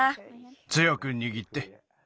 つよくにぎって。